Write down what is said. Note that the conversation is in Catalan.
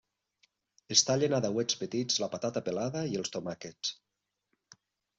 Es tallen a dauets petits la patata pelada i els tomàquets.